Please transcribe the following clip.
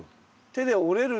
手で折れる。